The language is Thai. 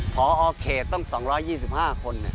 พอเขตต้อง๒๒๕คน